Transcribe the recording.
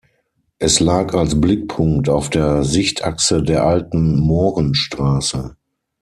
Es lag als Blickpunkt auf der Sichtachse der alten Mohrenstraße.